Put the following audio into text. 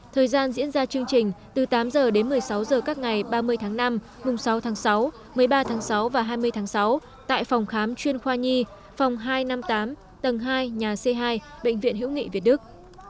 thời gian diễn ra chương trình từ tám h đến một mươi sáu h các ngày ba mươi tháng năm mùng sáu tháng sáu một mươi ba tháng sáu và hai mươi tháng sáu tại phòng khám chuyên khoa nhi phòng hai trăm năm mươi tám tầng hai nhà c hai bệnh viện hữu nghị việt đức